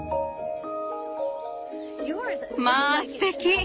まあすてき。